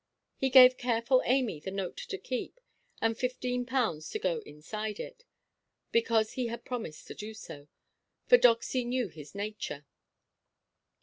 He gave careful Amy the note to keep, and 15_l._ to go inside it, because he had promised to do so, for Doxy knew his nature.